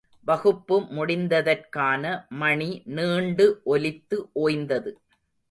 வகுப்பு முடிந்ததற்கான மணி நீண்டு ஒலித்து ஓய்ந்தது.